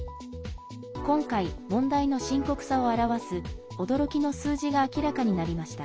今回、問題の深刻さを表す驚きの数字が明らかになりました。